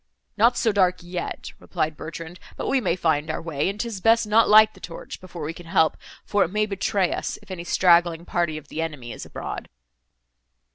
"Not so dark yet," replied Bertrand, "but we may find our way, and 'tis best not light the torch, before we can help, for it may betray us, if any straggling party of the enemy is abroad."